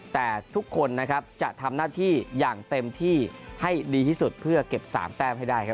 แต่ทุกคนนะครับจะทำหน้าที่อย่างเต็มที่ให้ดีที่สุดเพื่อเก็บ๓แต้มให้ได้ครับ